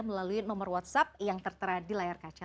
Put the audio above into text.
melalui nomor whatsapp yang tertera di layar kaca